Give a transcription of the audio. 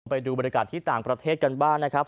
ไปดูบรรยากาศที่ต่างประเทศกันบ้างนะครับ